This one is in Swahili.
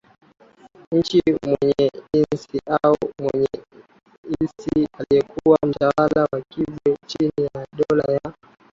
nchi Mwenye Insi au Mwenye Isi aliyekuwa mtawala wa Kibwe chini ya Dola ya